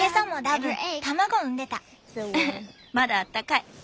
ウフまだあったかい。